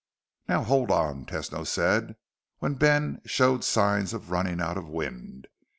"Now hold on," Tesno said, when Ben showed signs of running out of wind.